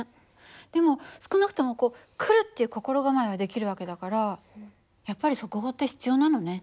でも少なくともこう来るっていう心構えはできる訳だからやっぱり速報って必要なのね。